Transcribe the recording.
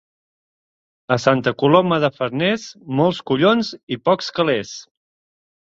A Santa Coloma de Farners, molts collons i pocs calés.